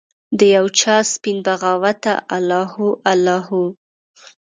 د یوچا سپین بغاوته الله هو، الله هو